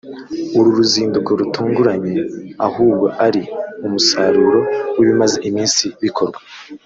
uru ruzinduko rutatunguranye ahubwo ari umusaruro w’ibimaze iminsi bikorwa